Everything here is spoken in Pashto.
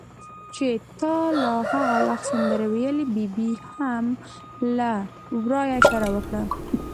چې تا لا هغه وخت سندرې ویلې، ببۍ هم له ورایه اشاره وکړه.